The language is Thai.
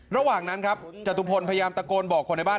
ระหว่างนั้นครับจตุพลพยายามตะโกนบอกคนในบ้าน